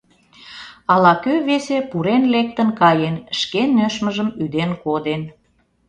Ала-кӧ весе пурен-лектын каен, шке нӧшмыжым ӱден коден.